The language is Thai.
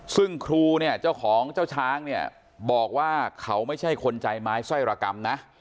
ซึ่งครูเนี่ยเจ้าของเจ้าช้างเนี่ยบอกว่าเขาไม่ใช่คนใจไม้สร้อยระกรรมนะ